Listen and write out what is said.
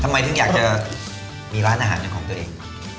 ทำไมถึงอยากจะมีร้านอาหารเป็นของตัวเอง